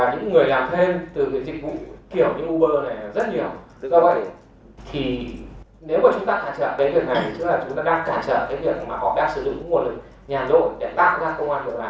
những người mà lười đổi mới sáng tạo